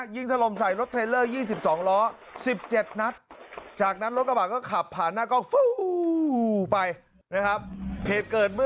ยิงถล่มใส่รถเทรลเลอร์๒๒ล้อ๑๗นัท